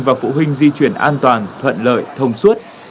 và phụ huynh di chuyển an toàn thuận lợi thông suốt